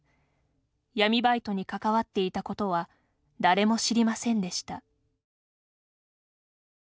闇バイトに関わっていたことは誰も知りませんでした。